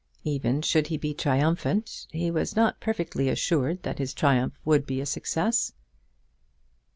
Even should he be triumphant, he was not perfectly assured that his triumph would be a success.